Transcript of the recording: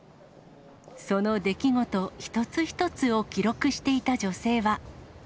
その出来事一つ一つを記録していた女性は。